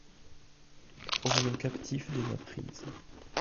Orion captif de ma prise.